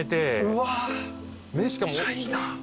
うわっめっちゃいいな。